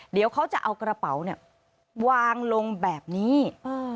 เดี๋ยวเขาจะเอากระเป๋าเนี่ยวางลงแบบนี้